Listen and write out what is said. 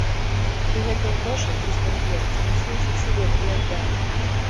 Ты гэтыя грошы, трыста рублёў, занясі ў сельсавет і аддай.